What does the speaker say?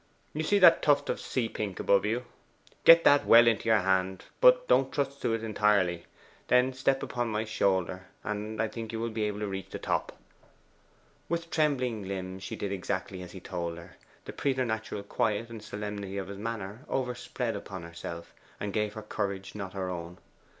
You see that tuft of sea pink above you. Get that well into your hand, but don't trust to it entirely. Then step upon my shoulder, and I think you will reach the top.' With trembling limbs she did exactly as he told her. The preternatural quiet and solemnity of his manner overspread upon herself, and gave her a courage not her own.